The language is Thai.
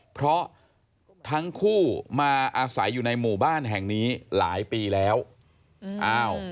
เพราะทั้งคู่มาอาศัยอยู่ในหมู่บ้านแห่งนี้หลายปีแล้วอ้าว